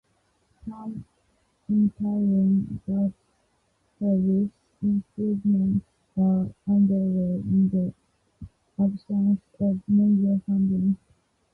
Some interim bus service improvements are under way in the absence of major funding.